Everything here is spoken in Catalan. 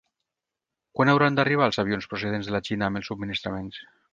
Quan hauran d'arribar els avions procedents de la Xina amb els subministraments?